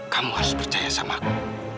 kamu harus percaya sama aku